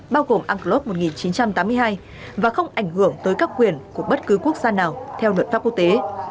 bao gồm unclos một nghìn chín trăm tám mươi hai và không ảnh hưởng tới các quyền của bất cứ quốc gia nào theo luật pháp quốc tế